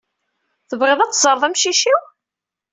Tebɣiḍ ad teẓreḍ amcic-iw?